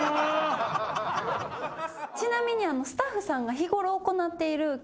ちなみに。